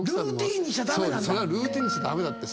ルーティンにしちゃ駄目なんだ。